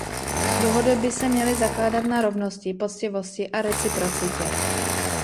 Dohody by se měly zakládat na rovnosti, poctivosti a reciprocitě.